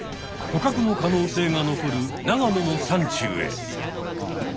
ほかくの可能性が残る長野の山中へ。